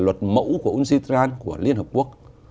luật mẫu của uncitral của liên hợp quốc